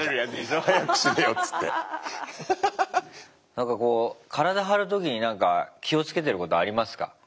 なんかこう体張る時になんか気をつけてることありますか？